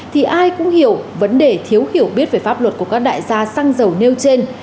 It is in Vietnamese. thì ai cũng hiểu vấn đề thiếu hiểu biết về pháp luật của các đại gia xăng dầu nêu trên